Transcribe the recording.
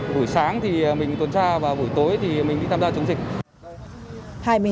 buổi sáng thì mình tuần tra vào buổi tối thì mình đi tham gia chống dịch